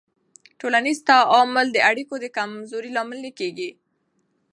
ټولنیز تعامل د اړیکو د کمزورۍ لامل نه کېږي.